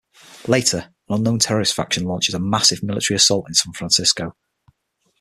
Later, an unknown terrorist faction launches a massive military assault in San Francisco.